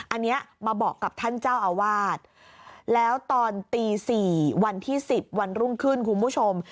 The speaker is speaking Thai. อันนี้มาบอกกับท่านเจ้าอาวาสแล้วตอนตี๔วันที่๑๐วันรุ่งขึ้นคุณผู้ชม